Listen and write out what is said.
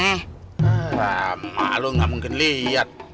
ah malu gak mungkin liat